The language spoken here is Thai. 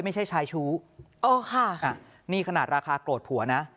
ไม่ใช่ชายชู้อ๋อค่ะนี่ขนาดราคาโกรธผัวนะ